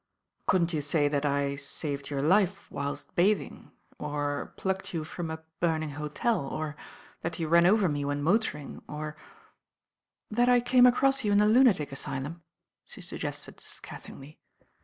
"Couldn't you say that I saved your life whilst bathing, or plucked you from a burning hotel, or that you ran over me when motoring, or " "That I came across you in a lunatic asylum,'* •he suggested scathingly.